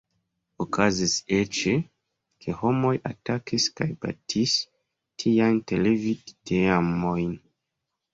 Okazis eĉ, ke homoj atakis kaj batis tiajn televid-teamojn.